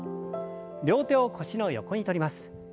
両手を腰の横にとります。